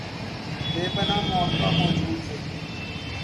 بے پناہ مواقع موجود ہیں